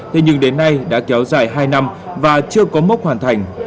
thế nhưng đến nay đã kéo dài hai năm và chưa có mốc hoàn thành